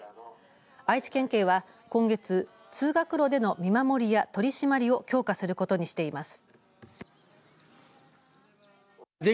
愛知県警は、今月通学路での見守りや取締りを強化することにしています。